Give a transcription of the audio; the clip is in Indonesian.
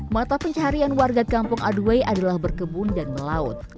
mata pencarian warga kampung aduai adalah berkebun dan melaut